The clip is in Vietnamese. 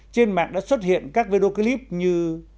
trên mạng đã xuất hiện các video clip như